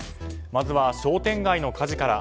まずは商店街の火事から。